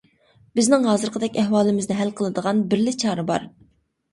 بىزنىڭ ھازىرقىدەك ئەھۋالىمىزنى ھەل قىلىدىغان بىرلا چارە بار.